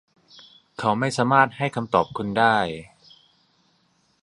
เขาไม่สามารถให้คำตอบคุณได้